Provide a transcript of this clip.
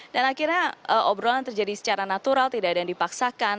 dan akhirnya obrolan terjadi secara natural tidak ada yang dipaksakan